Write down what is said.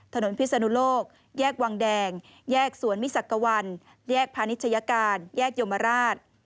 พิศนุโลกแยกวังแดงแยกสวนมิสักวันแยกพาณิชยการแยกยมราช